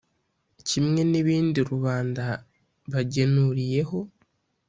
Kimwe n’ibindi rubanda bagenuriyeho